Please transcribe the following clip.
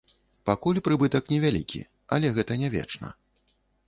Пакуль прыбытак не вялікі, але гэта не вечна.